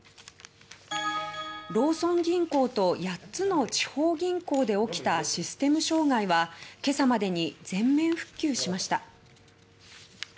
ローソン銀行と８つの地方銀行で起きたシステム障害は今朝までに全面復旧しました。